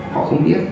họ không biết